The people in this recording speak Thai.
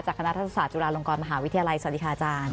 คณะรัฐศาสตุลาลงกรมหาวิทยาลัยสวัสดีค่ะอาจารย์